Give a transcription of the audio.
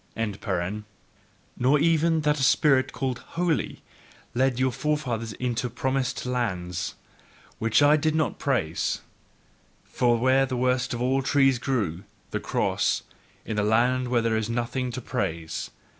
Nor even that a Spirit called Holy, led your forefathers into promised lands, which I do not praise: for where the worst of all trees grew the cross, in that land there is nothing to praise!